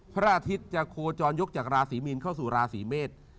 พระอาทิตย์จะโคจรยกจากราศีมีนเข้าสู่ราศีเมษ